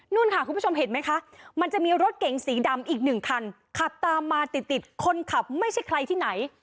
ค่ะคุณผู้ชมเห็นไหมคะมันจะมีรถเก๋งสีดำอีกหนึ่งคันขับตามมาติดติดคนขับไม่ใช่ใครที่ไหน